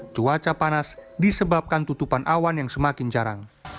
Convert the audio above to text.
cuaca panas disebabkan tutupan awan yang semakin jarang